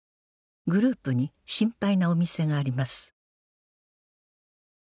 グループに心配なお店があります